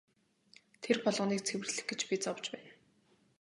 Тэр болгоныг цэвэрлэх гэж би зовж байна.